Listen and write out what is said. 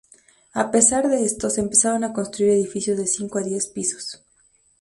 A pesar de esto, se empezaron a construir edificios de cinco a diez pisos.